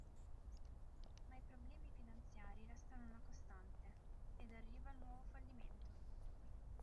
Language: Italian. Ma i problemi finanziari restano una costante, ed arriva un nuovo fallimento.